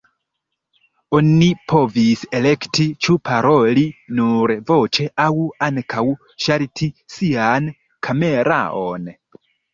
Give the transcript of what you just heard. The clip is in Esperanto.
Oni povis elekti ĉu paroli nur voĉe aŭ ankaŭ ŝalti sian kameraon.